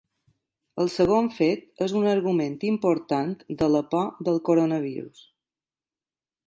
El segon fet és un augment important de la por del coronavirus.